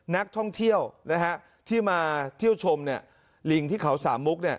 นักท่องเที่ยวที่มาเที่ยวชมลิงที่เขาสามมุก